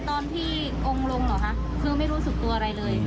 ตอนที่องค์ลงเหรอคะคือไม่รู้สึกตัวอะไรเลย